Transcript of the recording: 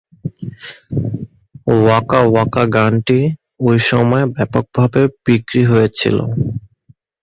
Waka Waka গানটি ঐ সময়ে ব্যাপকভাবে বিক্রি হয়েছিল।